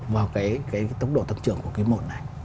vào cái tốc độ tăng trưởng của quý một này